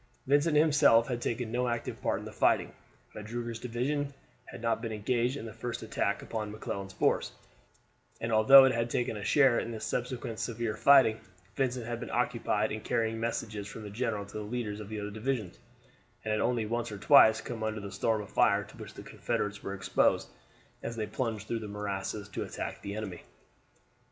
Vincent himself had taken no active part in the fighting. Magruder's division had not been engaged in the first attack upon McClellan's force; and although it had taken a share in the subsequent severe fighting, Vincent had been occupied in carrying messages from the general to the leaders of the other divisions, and had only once or twice come under the storm of fire to which the Confederates were exposed as they plunged through the morasses to attack the enemy.